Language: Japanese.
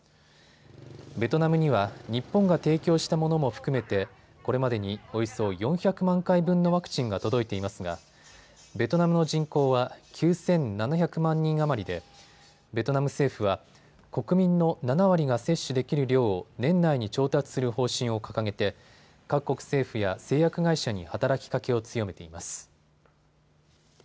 ベトナムには日本が提供したものも含めてこれまでにおよそ４００万回分のワクチンが届いていますがベトナムの人口は９７００万人余りでベトナム政府は国民の７割が接種できる量を年内に調達する方針を掲げて各国政府や製薬会社に働きかけを強めています。